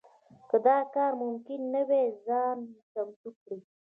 که دا کار ممکن نه وي ځان چمتو کړي.